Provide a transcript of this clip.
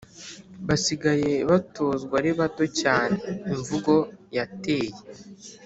basigaye batozwa ari bato cyane imvugo yateye